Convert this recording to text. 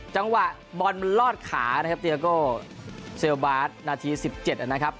จังหวะบอลรอดขานะครับเซลโบ๊ทนาทีสิบเจ็ดน่ะครับ